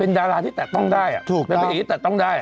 เป็นดาราที่ตัดต้องได้เป็นผีที่ตัดต้องได้